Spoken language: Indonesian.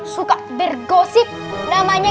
suka bergosip namanya